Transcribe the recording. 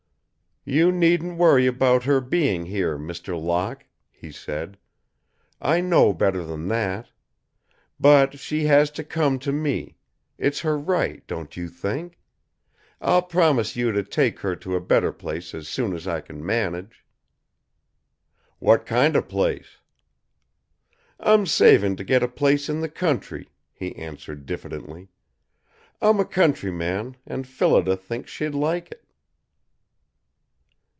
"You needn't worry about her being here, Mr. Locke," he said. "I know better than that! But she has to come to me; it's her right, don't you think? I'll promise you to take her to a better place as soon as I can manage." "What kind of a place?" "I'm saving to get a place in the country," he answered diffidently. "I'm a countryman, and Phillida thinks she'd like it."